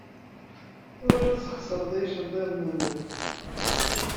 Ur tesxeṣred iceḍḍiḍen-nnem.